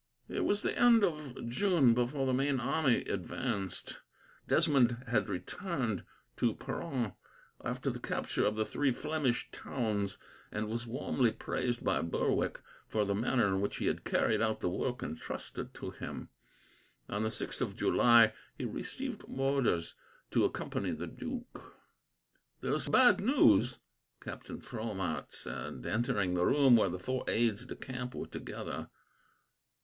It was the end of June before the main army advanced. Desmond had returned to Peronne after the capture of the three Flemish towns, and was warmly praised by Berwick for the manner in which he had carried out the work entrusted to him. On the 6th of July, he received orders to accompany the duke. "There is bad news," Captain Fromart said, entering the room where the four aides de camp were together.